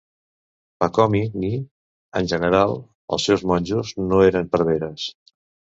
Pacomi ni, en general, els seus monjos, no eren preveres.